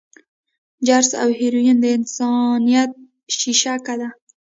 چرس او هيروين د انسانيت شېشکه ده.